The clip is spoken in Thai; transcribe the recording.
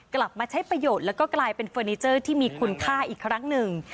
กลับมาใช้ประโยชน์แล้วก็กลายเป็นเฟอร์นิเจอร์ที่มีคุณค่าอีกครั้งหนึ่ง